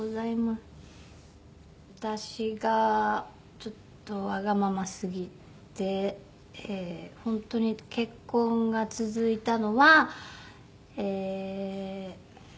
私がちょっとわがまますぎて本当に結婚が続いたのは旦那さんのおかげ。